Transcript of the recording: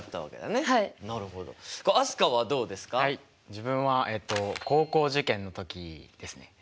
自分はえっと高校受験の時ですね。